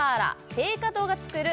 青果堂が作る